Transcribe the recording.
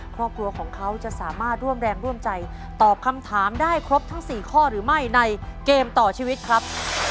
ครอบครัวของเขาจะสามารถร่วมแรงร่วมใจตอบคำถามได้ครบทั้ง๔ข้อหรือไม่ในเกมต่อชีวิตครับ